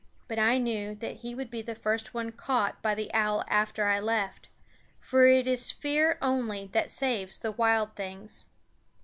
But I knew that he would be the first one caught by the owl after I left; for it is fear only that saves the wild things.